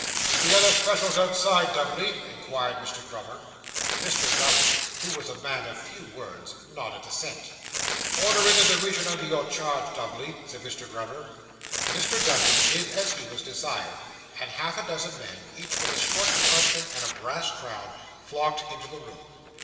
'Is the other specials outside, Dubbley?' inquired Mr. Grummer. Mr. Dubbley, who was a man of few words, nodded assent. 'Order in the diwision under your charge, Dubbley,' said Mr. Grummer. Mr. Dubbley did as he was desired; and half a dozen men, each with a short truncheon and a brass crown, flocked into the room.